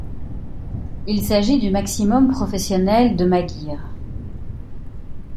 Il s'agit du maximum professionnel de Maguire.